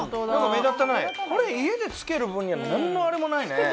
これ家でつける分にはなんのあれもないね。